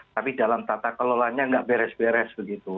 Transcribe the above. tapi dalam tata kelolanya nggak beres beres begitu